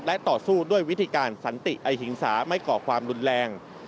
และต่อสู้ด้วยวิธีการสันติไอหิงสาไม่ก่อความรุนแรง